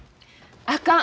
あかん。